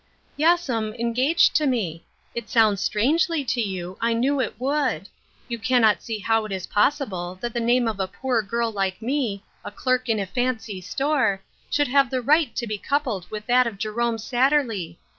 "Yes'm ; engaged to me. It sounds strangely to you ; I knew it would ; you cannot see how it is possible that the name of a poor girl like me, a clerk in a fancy store, should have the right to be coupled with that of Jerome Satterley.